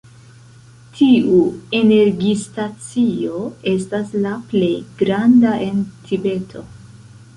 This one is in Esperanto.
Tiu energistacio estas la plej granda en Tibeto.